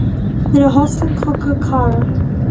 Nuair a thosaigh an Cogadh Cathartha.